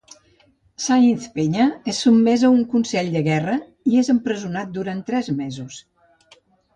Sáenz Penya és sotmès a un Consell de Guerra i és empresonat durant tres mesos.